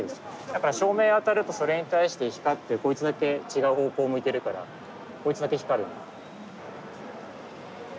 だから照明当たるとそれに対して光ってこいつだけ違う方向を向いてるからこいつだけ光る。